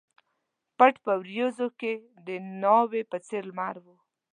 پټ په وریځو کښي د ناوي په څېر لمر و